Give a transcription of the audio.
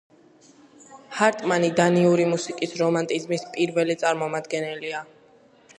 ჰარტმანი დანიური მუსიკის რომანტიზმის პირველი წარმომადგენელია.